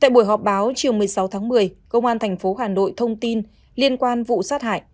tại buổi họp báo chiều một mươi sáu tháng một mươi công an thành phố hà nội thông tin liên quan vụ sát hại